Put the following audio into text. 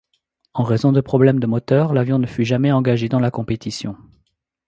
En raison de problèmes de moteur l'avion ne fut jamais engagé dans la compétition.